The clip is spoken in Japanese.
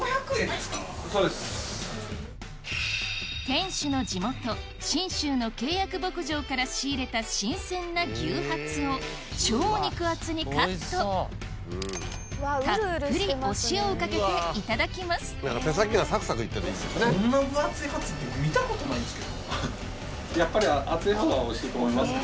店主の地元信州の契約牧場から仕入れた新鮮な牛ハツを超肉厚にカットたっぷりお塩をかけていただきますいただきます。